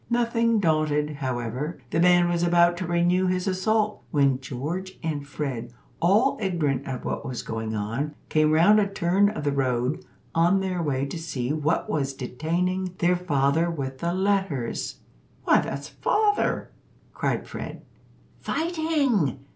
Nothing daunted, however, the man was about to renew his assault, when George and Fred, all ignorant of what was going on, came round a turn of the road, on their way to see what was detaining their father with the letters. "Why, that's father!" cried Fred. "Fighting!"